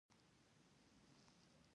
د وطن د عاطفې په ژبه مه راژباړه قربان دې شم.